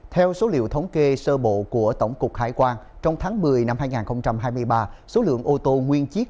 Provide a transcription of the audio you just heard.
theo số liệu thống kê sơ bộ của tổng cục hải quan trong tháng một mươi năm hai nghìn hai mươi ba số lượng ô tô nguyên chiếc